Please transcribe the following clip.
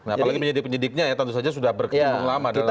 apalagi penyidik penyidiknya ya tentu saja sudah berkecuali lama